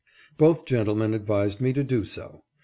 Both gentlemen advised me to do so.